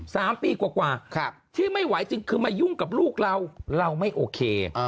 สามปีกว่าที่ไม่ไหวจึงคือมายุ่งกับลูกเราเราไม่โอเค